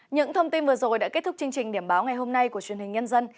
những thông tin vừa rồi đã kết thúc chương trình điểm báo ngày hôm nay của truyền hình nhân dân